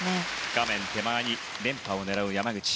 画面手前連覇を狙う山口。